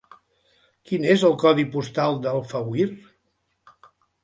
Quin és el codi postal d'Alfauir?